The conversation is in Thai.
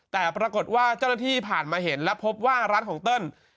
แต่ปรากฏว่าเจ้าหน้าที่ผ่านมาเห็นและพบว่าร้านของเติ้ล